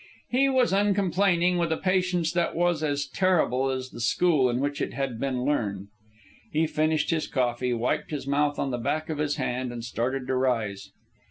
He was uncomplaining, with a patience that was as terrible as the school in which it had been learned. He finished his coffee, wiped his mouth on the back of his hand, and started to rise.